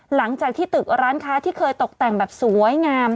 หลังจากที่ตึกร้านค้าที่เคยตกแต่งแบบสวยงาม